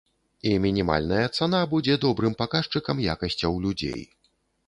І мінімальная цана будзе добрым паказчыкам якасцяў людзей.